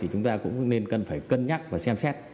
chúng ta cũng nên cần phải cân nhắc và xem xét